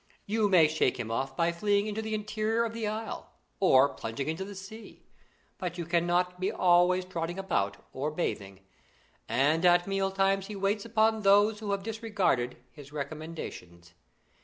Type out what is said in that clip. You may shake him off by fleeing into the interior of the Isle, or plunging into the sea; but you cannot be always trotting about or bathing; and at mealtimes he waits upon those who have disregarded his recommendations.